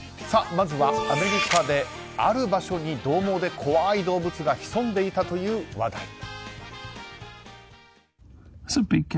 まずはアメリカである場所に獰猛で怖い動物が潜んでいたという話題。